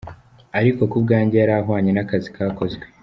Ariko ku bwanjye yari ahwanye n’akazi kakozwe.